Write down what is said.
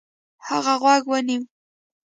هغې غوږ ونيو.